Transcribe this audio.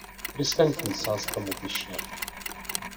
Riskantní sázka mu vyšla.